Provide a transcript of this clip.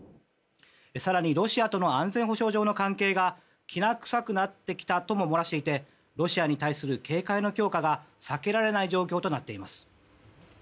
更にロシアとの安全保障上の関係がきな臭くなってきたとも漏らしていてロシアに対する警戒の強化が避けられない状況となっています。